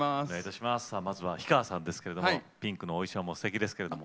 さあまずは氷川さんですけれどもピンクのお衣装もすてきですけれども。